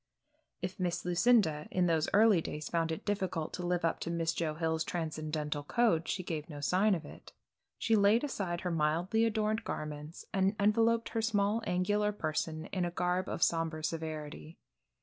If Miss Lucinda, in those early days found it difficult to live up to Miss Joe Hill's transcendental code she gave no sign of it. She laid aside her mildly adorned garments and enveloped her small angular person in a garb of sombre severity.